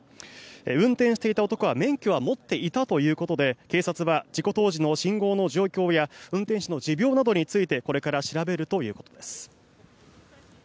運転していた男は免許は持っていたということで警察は事故当時の信号の状況や運転手の持病などについてこれから調べるということです。